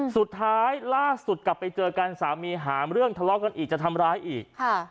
สุดท้ายล่าสุดกลับไปเจอกันสามีหาเรื่องทะเลาะกันอีกจะทำร้ายอีก